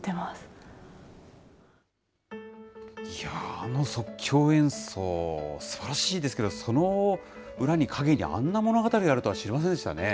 あの即興演奏、すばらしいですけど、その裏に、陰にあんな物語があるとは知りませんでしたね。